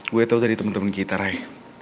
gue tau dari temen temen kita ray